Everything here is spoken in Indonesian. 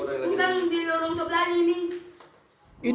bukan di lorong sebelah ini